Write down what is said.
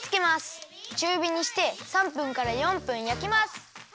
ちゅうびにして３分から４分やきます。